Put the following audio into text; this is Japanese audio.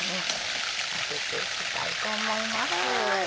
上げていきたいと思います。